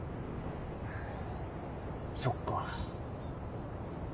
そっか。